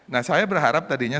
nah saya berharap tadinya